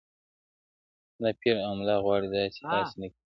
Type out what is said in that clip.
دا پير اوملا غواړي ،داسي هاسي نه كــــيـــــږي